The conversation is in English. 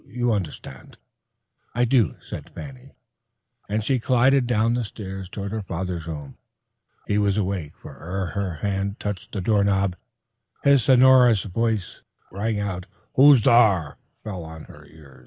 You understand." "I do," said Fanny, and she glided down the stairs toward her father's room. He was awake, for ere her hand touched the doorknob, his sonorous "Who's thar?" fell on her ear.